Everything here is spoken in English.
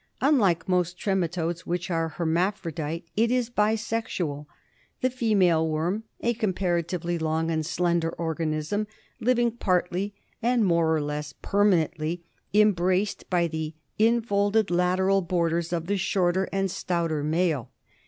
Unlike most trematodes, which are hermaphrodite, it is bisexual, the female worm, a comparatively long and slender organism, living partly and more or less permanently embraced by the infolded lateral borders of the shorter and stouter male.